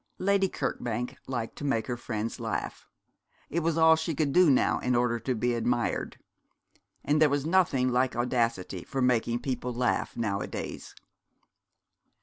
Lady Kirkbank liked to make her friends laugh. It was all she could do now in order to be admired. And there is nothing like audacity for making people laugh nowadays.